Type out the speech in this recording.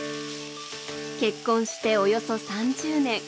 結婚しておよそ３０年。